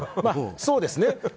そうですね。